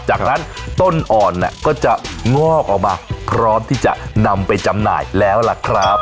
จากนั้นต้นอ่อนก็จะงอกออกมาพร้อมที่จะนำไปจำหน่ายแล้วล่ะครับ